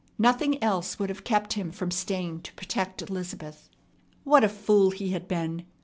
Nothing else would have kept him from staying to protect Elizabeth. What a fool he had been!